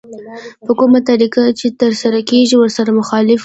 په کومه طريقه چې ترسره کېږي ورسره مخالف وي.